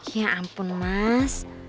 ya ampun mas